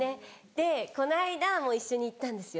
でこの間も一緒に行ったんですよ。